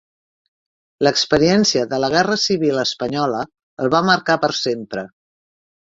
L'experiència de la Guerra Civil Espanyola el va marcar per sempre.